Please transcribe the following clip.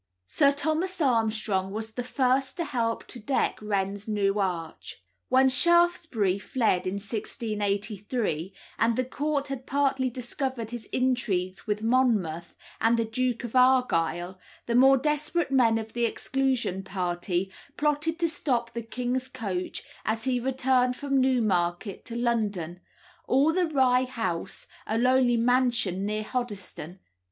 Sir Thomas Armstrong was the first to help to deck Wren's new arch. When Shaftesbury fled in 1683, and the Court had partly discovered his intrigues with Monmouth and the Duke of Argyle, the more desperate men of the Exclusion Party plotted to stop the king's coach as he returned from Newmarket to London, at the Rye House, a lonely mansion near Hoddesden.